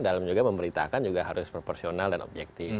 dalam juga memberitakan juga harus proporsional dan objektif